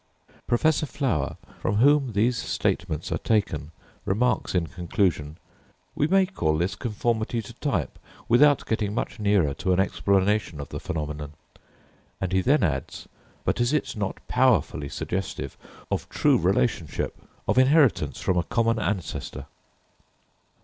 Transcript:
Professor Flower, from whom these statements are taken, remarks in conclusion: "We may call this conformity to type, without getting much nearer to an explanation of the phenomenon;" and he then adds "but is it not powerfully suggestive of true relationship, of inheritance from a common ancestor?"